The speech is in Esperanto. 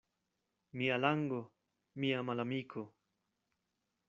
Mia lango — mia malamiko.